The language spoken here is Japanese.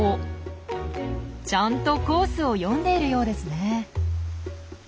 ちゃんとコースを読んでいるようですね。